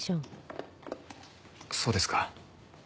そうですか。